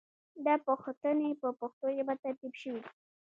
دا پوښتنې په پښتو ژبه ترتیب شوې دي.